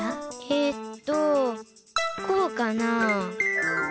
えっとこうかな？